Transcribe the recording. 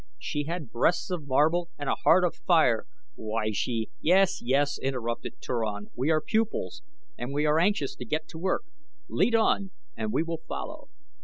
She had breasts of marble and a heart of fire. Why, she " "Yes, yes," interrupted Turan; "we are pupils, and we are anxious to get to work. Lead on and we will follow."